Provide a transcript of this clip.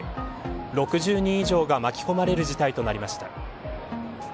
６０人以上が巻き込まれる事態となりました。